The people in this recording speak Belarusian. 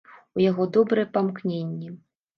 У яго добрыя памкненні.